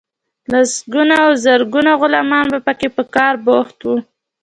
لسګونه او زرګونه غلامان به پکې په کار بوخت وو.